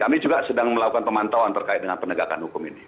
kami juga sedang melakukan pemantauan terkait dengan penegakan hukum ini